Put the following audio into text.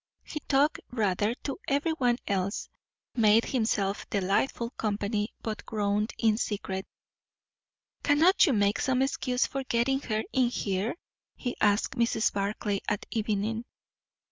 He talked rather to every one else; made himself delightful company; but groaned in secret. "Cannot you make some excuse for getting her in here?" he asked Mrs. Barclay at evening.